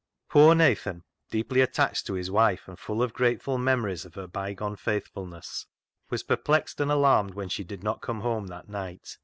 Poor Nathan, deeply attached to his wife, and full of grateful memories of her bygone faithfulness, was perplexed and alarmed when she did not come home that night.